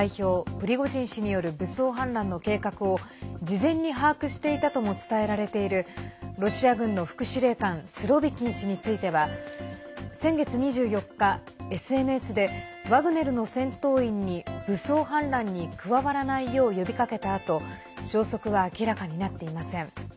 プリゴジン氏による武装反乱の計画を事前に把握していたとも伝えられているロシア軍の副司令官スロビキン氏については先月２４日、ＳＮＳでワグネルの戦闘員に武装反乱に加わらないよう呼びかけたあと消息は明らかになっていません。